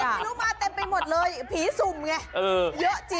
ไม่รู้มาเต็มไปหมดเลยผีสุ่มไงเยอะจริง